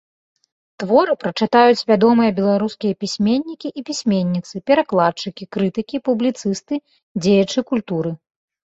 Творы прачытаюць вядомыя беларускія пісьменнікі і пісьменніцы, перакладчыкі, крытыкі, публіцысты, дзеячы культуры.